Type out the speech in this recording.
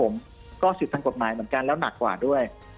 ผมก็สิทธิ์ทางกฎหมายเหมือนกันแล้วหนักกว่าด้วย